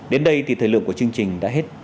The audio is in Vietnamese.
đến đây thì thời lượng của chương trình đã hết